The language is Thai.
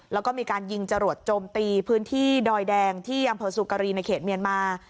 แล้วก็มีการยิงจรวดโจมตีพื้นที่ดอยแดงที่อำเภอสุกรีในเขตเมียนมา